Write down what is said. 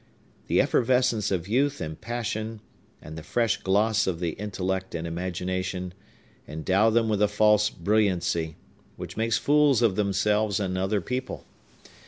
The effervescence of youth and passion, and the fresh gloss of the intellect and imagination, endow them with a false brilliancy, which makes fools of themselves and other people.